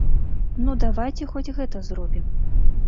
Ну давайце хоць гэта зробім?